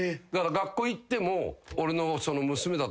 学校行っても。